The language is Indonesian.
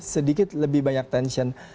sedikit lebih banyak tension